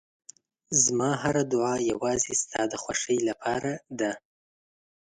زما هره دعا یوازې ستا د خوښۍ لپاره ده.